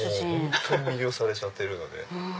本当に魅了されちゃってるので。